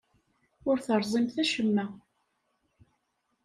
Ur terẓimt acemma.